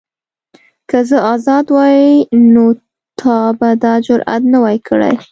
که زه ازاد وای نو تا به دا جرئت نه وای کړی.